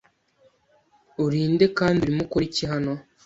Uri nde kandi urimo ukora iki hano?